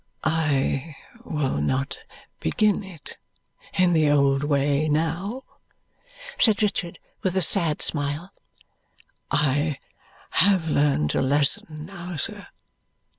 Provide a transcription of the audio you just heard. "I will not begin it in the old way now," said Richard with a sad smile. "I have learned a lesson now, sir.